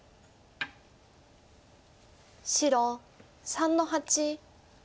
白３の八。